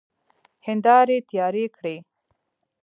هيندارې تيارې کړئ!